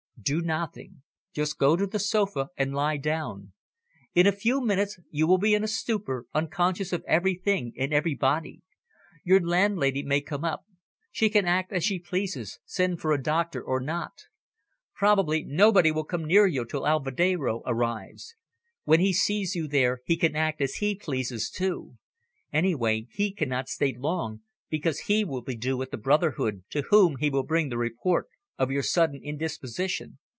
"Do nothing; just go to the sofa and lie down. In a few minutes you will be in a stupor, unconscious of everything and everybody. Your landlady may come up; she can act as she pleases; send for a doctor or not. Probably nobody will come near you till Alvedero arrives. When he sees you there he can act as he pleases too. Anyway, he cannot stay long, because he will be due at the brotherhood, to whom he will bring the report of your sudden indisposition."